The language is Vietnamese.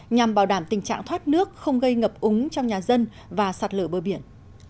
nhằm bảo đảm tình trạng thoát nước không gây ngập úng trong nhà dân và sạt lở bờ biển